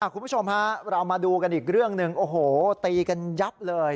คุณผู้ชมฮะเรามาดูกันอีกเรื่องหนึ่งโอ้โหตีกันยับเลย